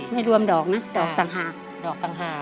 ไม่รวมดอกนะดอกต่างหาก